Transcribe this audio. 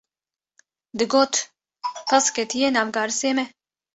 Digot: pez ketiye nav garisê me